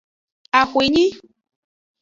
Axwenyi.